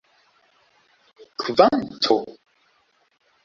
kvanto